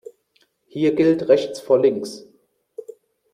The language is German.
Hier gilt rechts vor links.